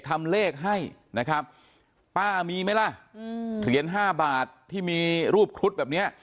ทำเลขให้นะครับป้ามีไหมล่ะอืมเหรียญ๕บาทที่มีรูปครุฑแบบเนี้ย